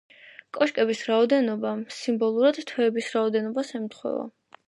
კოშკების რაოდენობა სიმბოლურად თვეების რაოდენობას ემთხვევა.